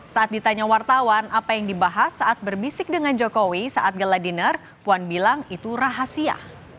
saat ditanya wartawan apa yang dibahas saat berbisik dengan jokowi saat geladinner puan bilang itu rahasia